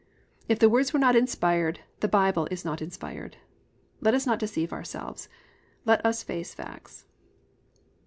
If the words are not inspired the Bible is not inspired. Let us not deceive ourselves; let us face facts.